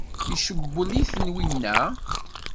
Icewwel-iten winna?